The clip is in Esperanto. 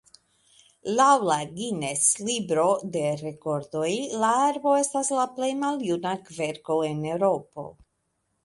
Laŭ la Guinness-libro de rekordoj la arbo estas la plej maljuna kverko en Eŭropo.